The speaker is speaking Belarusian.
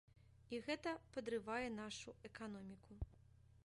І гэта падрывае нашу эканоміку.